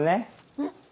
うん。